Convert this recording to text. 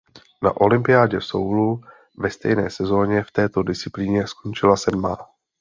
Na olympiádě v Soulu ve stejné sezóně v této disciplíně skončila sedmá.